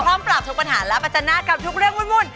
ปราบทุกปัญหาและปัจจนากับทุกเรื่องวุ่น